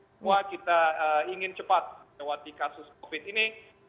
semua kita ingin cepat melewati kasus covid ini